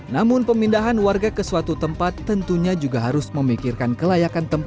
namun pemindahan warga ke suatu tempat tentunya juga harus memikirkan kelayakan tempat